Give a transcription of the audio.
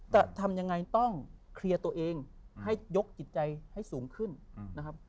จะทำยังไงต้องเคลียร์ตัวเองให้ยกจิตใจให้สูงขึ้นนะครับ